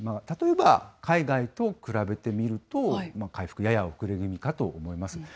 例えば海外と比べてみると、回復、やや遅れ気味かと思われます。